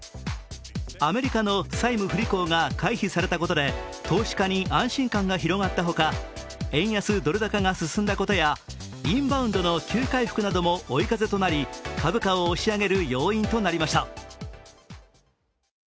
アメリカの債務不履行が回避されたことで投資家に安心感が広がったほか円安・ドル高が進んだことやインバウンドの急回復なども追い風となり株価を押し上げる要因となりました。